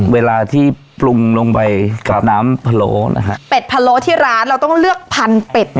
เวลาที่ปรุงลงไปกับน้ำพะโล้นะฮะเป็ดพะโล้ที่ร้านเราต้องเลือกพันเป็ด